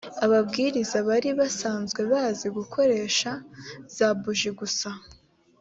ababwiriza bari basanzwe bazi gukoresha za buji gusa